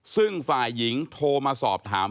ซึ่งฝ่ายหญิงโทรมาสอบถาม